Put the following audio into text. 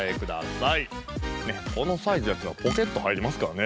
このサイズやったらポケット入りますからね。